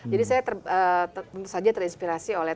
jadi saya terinspirasi oleh